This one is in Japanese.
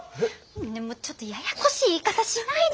ねえもうちょっとややこしい言い方しないでよ。